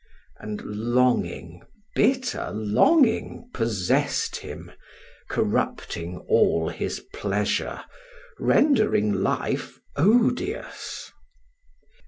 And longing, bitter longing possessed him, corrupting all his pleasure, rendering life odious.